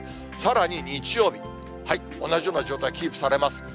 さらに日曜日、同じような状態キープされます。